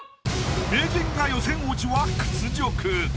名人が予選落ちは屈辱。